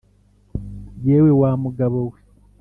yewe wa mugabo we